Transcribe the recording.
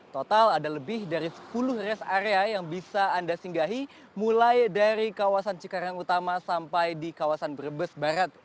total ada lebih dari sepuluh rest area yang bisa anda singgahi mulai dari kawasan cikarang utama sampai di kawasan brebes barat